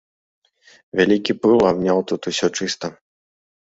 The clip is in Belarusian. Вялікі пыл абняў тут усё чыста.